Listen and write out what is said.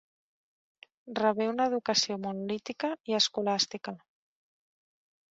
Rebé una educació monolítica i escolàstica.